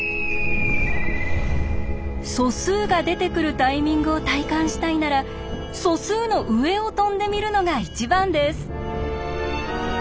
素数が出てくるタイミングを体感したいなら素数の上を飛んでみるのが一番です。